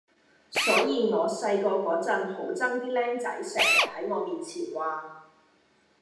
所以我細個嗰陣好憎啲儬仔成日喺我面前話